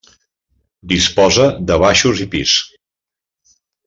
Disposa de baixos i pis.